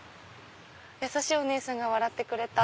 優しいお姉さんが笑ってくれた。